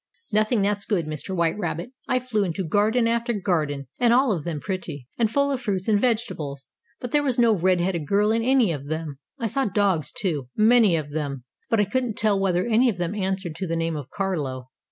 "Nothing that's good, Mr. White Rabbit. I flew into garden after garden and all of them pretty, and full of fruits and vegetables but there was no red headed girl in any of them. I saw dogs, too many of them but I couldn't tell whether any of them answered to the name of Carlo."